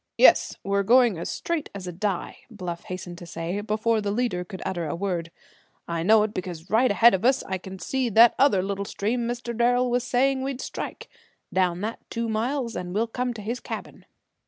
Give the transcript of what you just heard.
"Yes, we're going as straight as a die," Bluff hastened to say, before the leader could utter a word. "I know it because right ahead of us I can see that other little stream Mr. Darrel was saying we'd strike. Down that two miles and we'll come to his cabin."